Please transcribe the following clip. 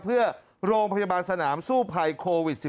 เพื่อโรงพยาบาลสนามสู้ภัยโควิด๑๙